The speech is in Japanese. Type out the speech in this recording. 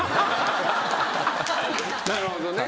なるほどね。